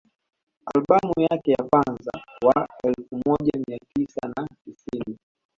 Albamu yake ya mwaka wa elfu moja mia tisa na tisini